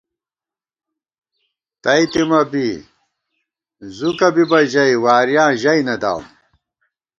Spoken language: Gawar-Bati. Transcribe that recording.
تئ تِمہ بی زُوکہ بِبہ ژَئی، وارِیاں ژَئی نہ داوُم